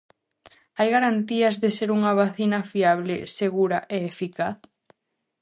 Hai garantías de ser unha vacina fiable, segura e eficaz?